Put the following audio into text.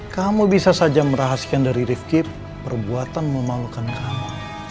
kamu bisa saja merahaskan dari rifqib perbuatan memalukan kamu